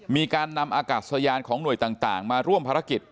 มีการนำอากาศยานของหน่วยต่างมาร่วมภารกิจ